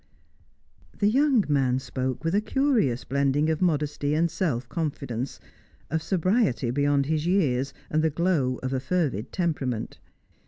The young man spoke with a curious blending of modesty and self confidence, of sobriety beyond his years and the glow of a fervid temperament.